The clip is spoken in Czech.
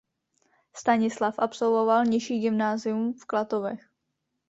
Stanislav absolvoval nižší gymnázium v Klatovech.